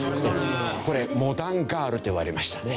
これモダンガールといわれましたね。